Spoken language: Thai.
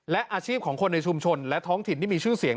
และอาชีพของคนในชุมชนและท้องถิ่นที่มีชื่อเสียง